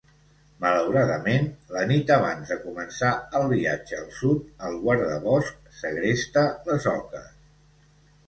Malauradament, la nit abans de començar el viatge al sud, el guardabosc segresta les oques.